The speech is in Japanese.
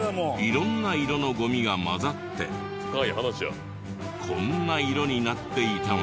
色んな色のゴミが混ざってこんな色になっていたのです。